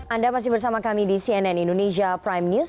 anda masih bersama kami di cnn indonesia prime news